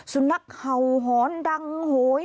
สุนัขฮาวห้อนดังโหย